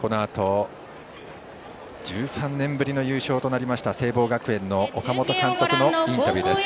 このあと１３年ぶりの優勝となりました聖望学園の岡本監督のインタビューです。